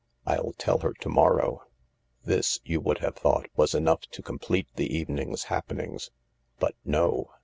I'll tell her to morrow." This, you would have thought, was enough to complete the evening's happenings. But no.